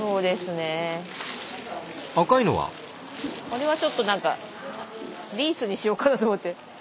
これはちょっと何かリースにしようかなと思って。